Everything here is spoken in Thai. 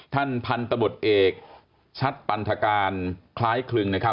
ท่านพันธบทเอกชัดปันธการคล้ายคลึง